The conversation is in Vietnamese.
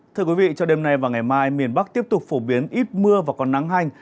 thưa quý vị cho đêm nay và ngày mai miền bắc tiếp tục phổ biến ít mưa và còn nắng hành